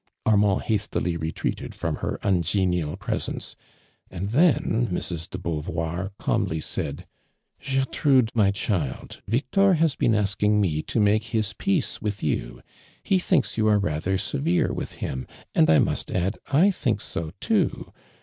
Ar mand hastily retreated fiom her ungenial I)rcsenco, and then Mrs. de Beauvoir cahn ly said : "Gertrude, my child, Victor has been asking me to make his peace with you. lie thinks you are rather severe with him, and 1 must add, 1 think so, too